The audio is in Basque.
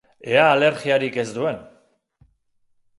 Ea alergiarik ez duen.